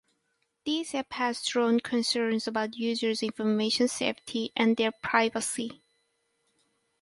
These app has drawn concerns about users information safety and their privacy.